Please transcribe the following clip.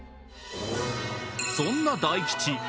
そんな大吉